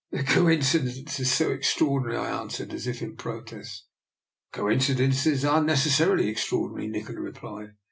" The coincidence is so extraordinary," I answered, as if in protest. " Coincidences are necessarily extraordi nary," Nikola replied.